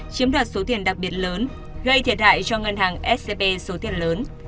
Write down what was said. chiếm đoạt số tiền đặc biệt lớn gây thiệt hại cho ngân hàng scb số tiền lớn